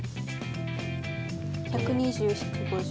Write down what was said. １２０−５０？